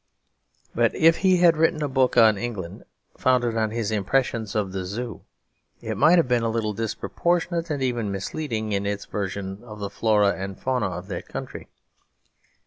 But if he had written a book on England, founded on his impressions of the Zoo, it might have been a little disproportionate and even misleading in its version of the flora and fauna of that country.